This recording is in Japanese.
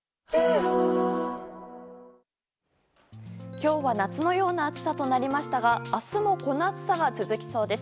今日は夏のような暑さとなりましたが明日も、この暑さが続きそうです。